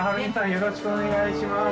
よろしくお願いします。